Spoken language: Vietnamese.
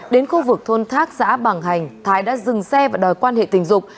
đến khu vực thôn thác xã bằng hành thái đã dừng xe và đòi quan hệ tình dục